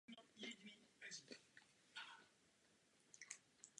Jeden se nazývá jarní a druhý podzimní.